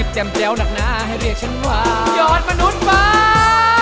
แจ้วหนักหนาให้เรียกฉันว่ายอดมนุษย์ฟ้า